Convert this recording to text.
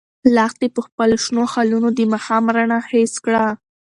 لښتې په خپلو شنو خالونو د ماښام رڼا حس کړه.